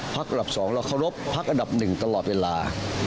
พักอันดับสองเราเคารพพักอันดับหนึ่งตลอดเวลา